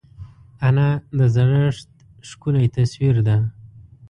انا د زړښت ښکلی تصویر ده